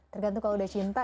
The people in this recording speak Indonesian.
tergantung kalau sudah cinta